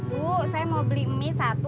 bu saya mau beli mie satu